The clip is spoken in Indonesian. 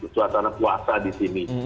suasana puasa di sini